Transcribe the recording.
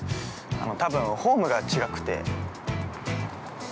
多分、フォームが違くて。